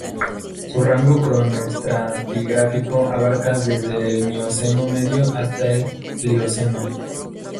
Su rango cronoestratigráfico abarca desde el Mioceno medio hasta el Plioceno.